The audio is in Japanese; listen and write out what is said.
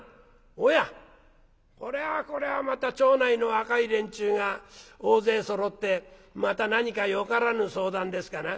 「おやこれはこれはまた町内の若い連中が大勢そろってまた何かよからぬ相談ですかな」。